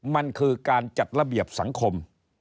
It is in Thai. มันคือการจัดระเบียบสังคม